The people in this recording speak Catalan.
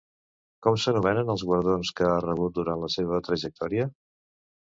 Com s'anomenen els guardons que ha rebut durant la seva trajectòria?